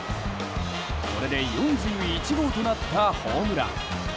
これで４１号となったホームラン。